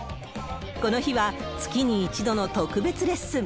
この日は月に一度の特別レッスン。